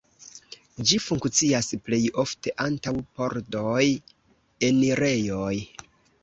Ĝi funkcias plej ofte antaŭ pordoj, enirejoj.